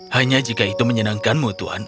hanya jika itu menyenangkanmu tuhan